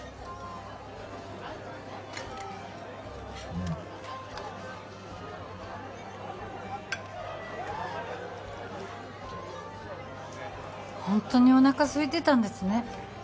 うんホントにおなかすいてたんですね